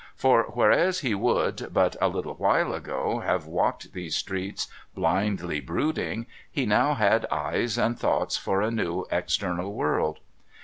For, whereas he would, but a little while ago, have walked these streets blindly brooding, he now had eyes and thoughts for a new external world.